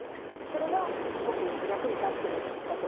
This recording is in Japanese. それがすごく役に立ってるんだと思います。